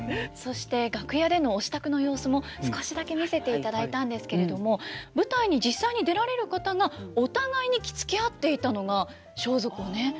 そして楽屋でのお支度の様子も少しだけ見せていただいたんですけれども舞台に実際に出られる方がお互いに着付け合っていたのが装束をね。